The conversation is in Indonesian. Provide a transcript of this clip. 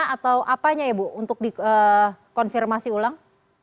atau apanya ya bu untuk dikonfirmasi ulang